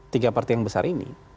tiga partai yang besar ini